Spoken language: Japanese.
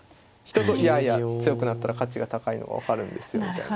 いやいや強くなったら価値が高いのが分かるんですよみたいな。